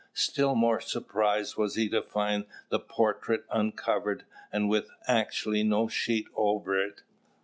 Still more surprised was he to find the portrait uncovered, and with actually no sheet over it.